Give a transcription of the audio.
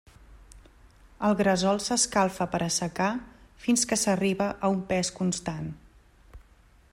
El gresol s’escalfa per assecar fins que s'arriba a un pes constant.